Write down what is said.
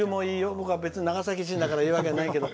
僕は長崎人だから言うわけじゃないけど。